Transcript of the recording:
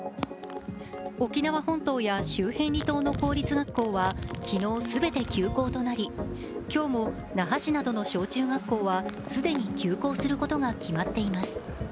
沖縄本島や周辺離島の公立学校は昨日全て休校となり今日も那覇市などの小中学校は既に休校することが決まっています。